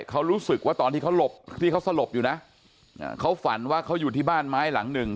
เขารู้สึกว่าตอนที่เขาหลบที่เขาสลบอยู่นะเขาฝันว่าเขาอยู่ที่บ้านไม้หลังหนึ่ง